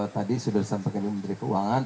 tadi sudah disampaikan oleh menteri keuangan